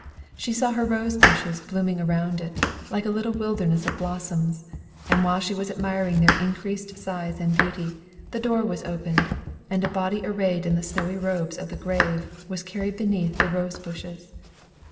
She saw her rose bushes blooming around it, like a little wilderness of blossoms; and while she was admiring their increased size and beauty, the door was opened, and a body arrayed in the snowy robes of the grave, was carried beneath the rose bushes.